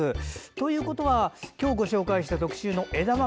ということは今日ご紹介した特集の枝豆